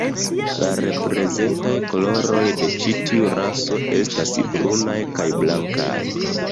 La reprezentaj koloroj de ĉi tiu raso estas brunaj kaj blankaj.